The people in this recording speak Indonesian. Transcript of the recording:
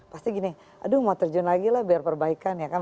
pasti gini aduh mau terjun lagi lah biar perbaikan ya kan